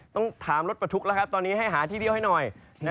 ต้องถามรถประทุกข์แล้วครับตอนนี้ให้หาที่เที่ยวให้หน่อย